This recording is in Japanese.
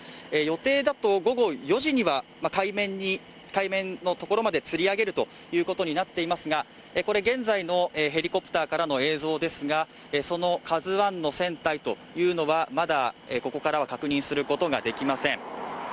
予定だと午後４時には海面のところまでつり上げることになっていますがこれ、現在のヘリコプターからの映像ですがその「ＫＡＺＵⅠ」の船体は、まだここからは確認することができません。